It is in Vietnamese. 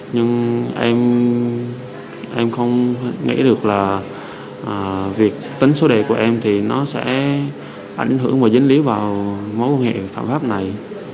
nhưng em không nghĩ được là việc tính số đề của em thì nó sẽ ảnh hưởng và dân lý vào mối quan hệ phản pháp này